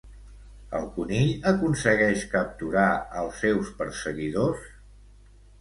El conill aconsegueix capturar als seus perseguidors?